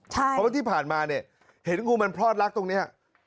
เพราะว่าที่ผ่านมาเนี่ยเห็นงูมันพลอดรักตรงนี้